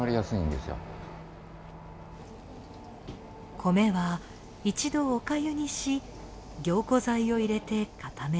米は一度お粥にし凝固剤を入れて固めます。